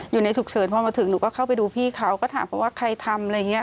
อยู่ในฉุกเฉินพอมาถึงหนูก็เข้าไปดูพี่เขาก็ถามเขาว่าใครทำอะไรอย่างนี้